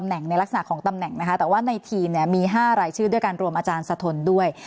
แหงในลักษณะของตำแหน่งนะคะแต่ว่าในทีมเนี่ยมี๕รายชื่อด้วยการรวมอาจารย์สะทนด้วย